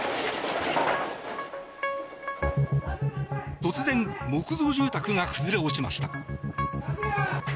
突然、木造住宅が崩れ落ちました。